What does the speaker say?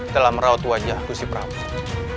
dalam merawat wajah gusti prabowo